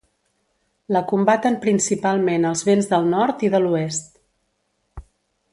La combaten principalment els vents del nord i de l'oest.